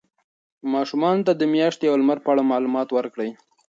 ماشومانو ته د میاشتې او لمر په اړه معلومات ورکړئ.